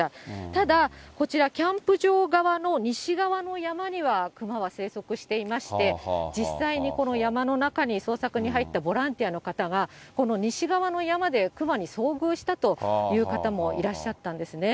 ただこちら、キャンプ場側の西側の山には熊は生息していまして、実際にこの山の中に捜索に入ったボランティアの方が、この西側の山で熊に遭遇したという方もいらっしゃったんですね。